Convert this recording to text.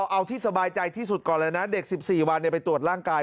เอาที่สบายใจที่สุดก่อนเลยนะเด็ก๑๔วันไปตรวจร่างกาย